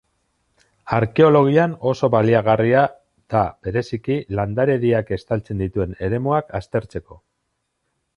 Arkeologian oso baliagarria da bereziki landarediak estaltzen dituen eremuak aztertzeko.